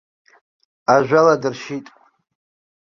Ажәала дыршьит.